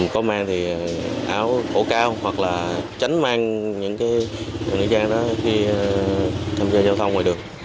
có mang thì áo cổ cao hoặc là tránh mang những nữ trang đó khi tham gia giao thông ngoài đường